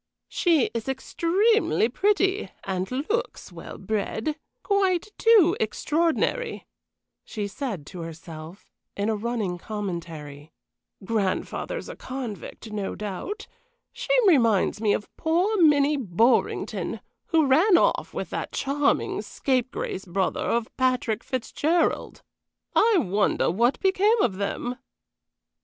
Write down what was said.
"She is extremely pretty and looks well bred quite too extraordinary," she said to herself, in a running commentary. "Grandfather a convict, no doubt. She reminds me of poor Minnie Borringdon, who ran off with that charming scapegrace brother of Patrick Fitzgerald. I wonder what became of them?"